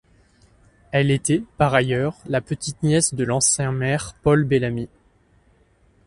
Elle était, par ailleurs, la petite-nièce de l'ancien maire Paul Bellamy.